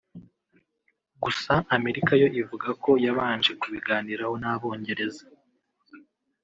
Gusa Amerika yo ivuga ko yabanje kubiganiraho n’Abongereza